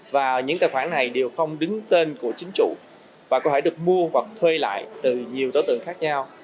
và những tài khoản này đều không đứng tên của chính chủ và có thể được mua hoặc thuê lại từ nhiều đối tượng khác nhau